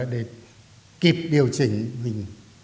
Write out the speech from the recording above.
để kịp điều chỉnh